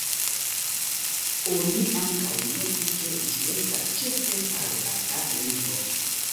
Oni ankaŭ notu, ke ĝi estas ĉefe parolata lingvo.